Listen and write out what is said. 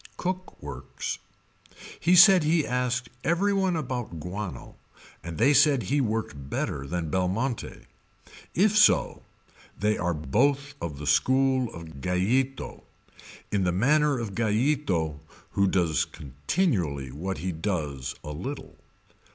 Cook works. He said he asked every one about Guano and they said he worked better than Belmonte. If so they are both of the school of Gallito, in the manner of Gallito who does continually what he does a little.